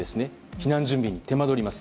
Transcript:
避難準備に手間どります。